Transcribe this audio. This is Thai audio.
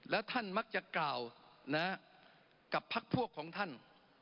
แล้วท่านมักจะกล่าวกับพักพวกของท่าน